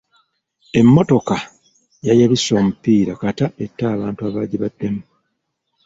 Emmotoka yayabise omupiira kata ette abantu abaagibaddemu.